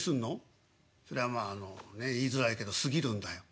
「そりゃまあねえ言いづらいけど過ぎるんだよ」。